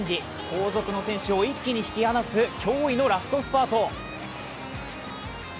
後続の選手を一気に引き離す驚異のラストスパート。